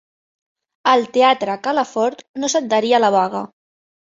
El Teatre Calafort no s'adherí a la vaga.